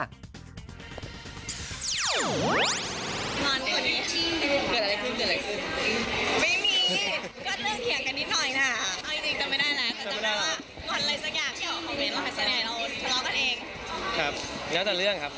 กำลังจะเรื่องครับ